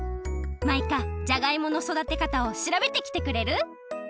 マイカじゃがいものそだてかたをしらべてきてくれる？